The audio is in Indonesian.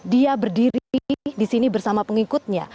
dia berdiri di sini bersama pengikutnya